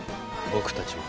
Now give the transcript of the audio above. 僕たちも。